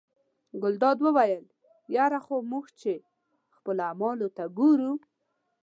ګلداد وویل یره خو موږ چې خپلو اعمالو ته ګورو.